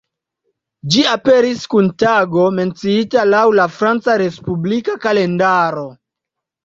Ĝi aperis kun tago menciita laŭ la Franca respublika kalendaro.